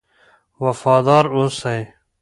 وفادار اوسئ.